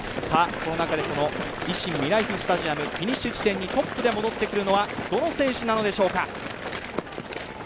この中でこの維新みらいふスタジアムフィニッシュ地点にトップで戻ってくるのはどの選手なのでしょうか。